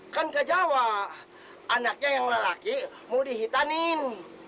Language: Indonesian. kan ke jawa anaknya yang lelaki mau dihitanin